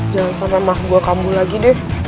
jangan sampai mah gue kambuh lagi deh